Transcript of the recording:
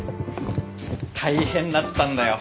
大変だったんだよ。